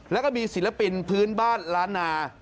แล้วก็มีศิลปินพื้นบ้านล้านนา